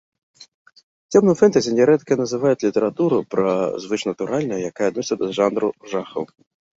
Цёмным фэнтэзі нярэдка называюць літаратуру пра звышнатуральнае, якая адносіцца да жанру жахаў.